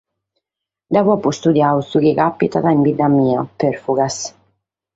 Deo apo istudiadu su chi càpitat in bidda mia, Pèrfugas.